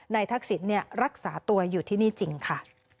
ทักษิณรักษาตัวอยู่ที่นี่จริงค่ะ